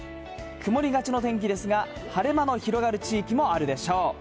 曇りがちの天気ですが、晴れ間の広がる地域もあるでしょう。